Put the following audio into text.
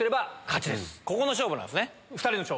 ここの勝負なんですね。